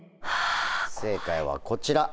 正解はこちら。